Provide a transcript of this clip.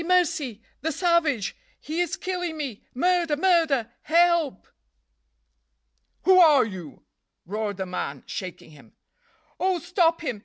mercy! the savage! he is killing me! murder! murder! help!" "Who are you?" roared the man, shaking him. "Oh, stop him!